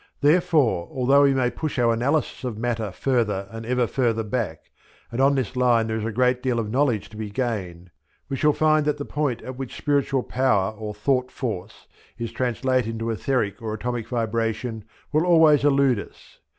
Therefore although we may push our analysis of matter further and ever further back and on this line there is a great deal of knowledge to be gained we shall find that the point at which spiritual power or thought force is translated into etheric or atomic vibration will always elude us.